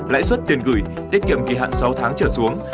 lãi suất tiền gửi tiết kiệm kỳ hạn sáu tháng trở xuống